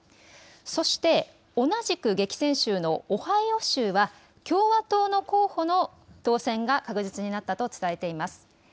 そして同じく激戦州のオハイオ州は共和党の候補の当選が確実になったと伝えています。